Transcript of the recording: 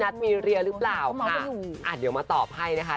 เดี๋ยวมาตอบให้นะคะ